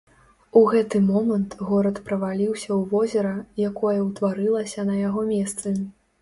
У гэты момант горад праваліўся ў возера, якое ўтварылася на яго месцы.